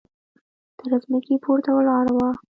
تر ځمکې پورته ولاړه وه.